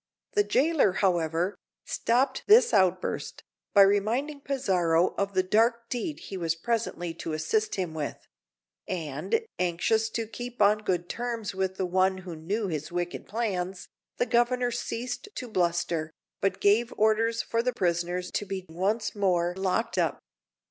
The jailer, however, stopped this outburst by reminding Pizarro of the dark deed he was presently to assist him with; and, anxious to keep on good terms with one who knew his wicked plans, the Governor ceased to bluster, but gave orders for the prisoners to be once more locked up.